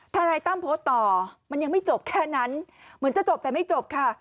ทนายตั้มโพสต์ต่อมันยังไม่จบแค่นั้นเหมือนจะจบแต่ไม่จบค่ะ